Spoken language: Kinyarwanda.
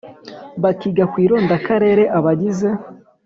Bakiga ku irondakarere abagize